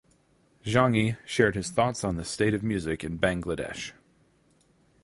Jangi shared his thoughts on the state of music in Bangladesh.